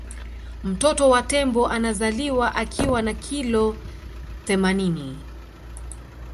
mtoto wa tembo anazaliwa akiwa na kilo themanini